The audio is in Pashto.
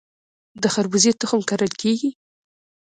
د خربوزې تخم کرل کیږي؟